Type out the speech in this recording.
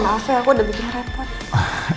ma maaf ya aku udah bikin rambut